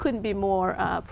chúng tôi có một câu hỏi